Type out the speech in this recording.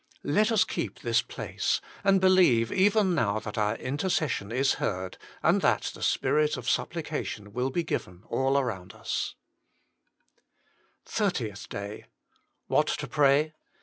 Let us keep this place, and believe even now that our intercession is heard, and that the Spirit of Supplication will be given all around us. SPECIAL PETITIONS PRAY WITHOUT CEASING THIRTIETH DAY WHAT TO PRAT.